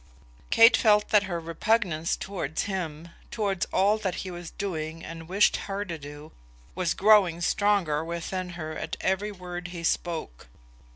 Kate felt that her repugnance towards him, towards all that he was doing and wished her to do, was growing stronger within her at every word he spoke.